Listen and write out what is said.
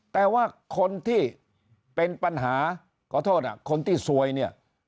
แต่ว่าคนที่เป็นปัญหาขอโทษคนที่ซวยเนี่ย